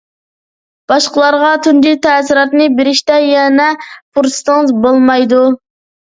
باشقىلارغا تۇنجى تەسىراتنى بېرىشتە يەنە پۇرسىتىڭىز بولمايدۇ.